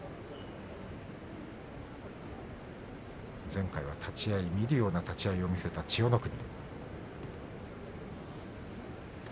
前回は見るような立ち合いを見せた千代の国。